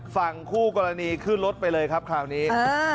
ฝั่งคู่กรณีขึ้นรถไปเลยครับคราวนี้